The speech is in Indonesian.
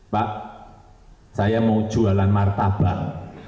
pak saya mau jualan martabak